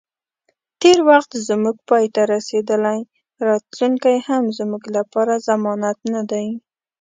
تیر وخت زمونږ پای ته رسیدلی، راتلونی هم زموږ لپاره ضمانت نه دی